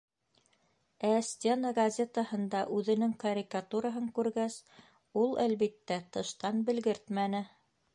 Ә стена газетаһында үҙенең карикатураһын күргәс, ул, әлбиттә, тыштан белгертмәне.